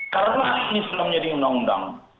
karena ini sudah menjadi undang undang